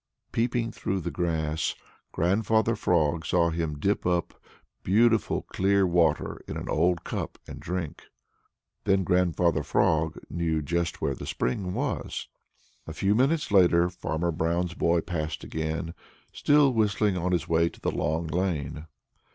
Peeping through the grass, Grandfather Frog saw him dip up beautiful clear water in an old cup and drink. Then Grandfather Frog knew just where the spring was. A few minutes later, Farmer Brown's boy passed again, still whistling, on his way to the Long Lane.